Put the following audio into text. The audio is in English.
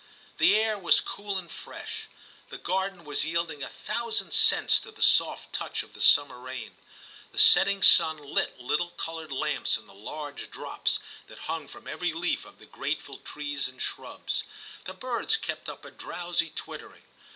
The air was cool and fresh. The garden was yielding a thousand scents to the soft touch of the summer rain. The setting sun lit little coloured lamps in the large drops that hung from every leaf of the grateful trees and shrubs ; the birds kept up a drowsy twittering.